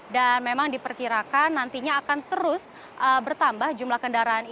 dan memang diperkirakan nantinya akan terus bertambah jumlah kendaraan ini